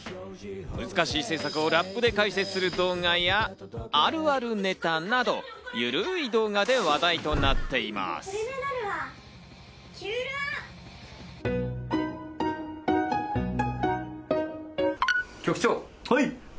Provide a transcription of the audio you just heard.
難しい政策をラップで解説する動画や、あるあるネタなどゆるい動画で話題となっています。